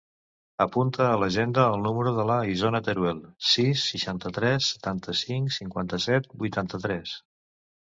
Apunta a l'agenda el número de l'Isona Teruel: sis, seixanta-tres, setanta-cinc, cinquanta-set, vuitanta-tres.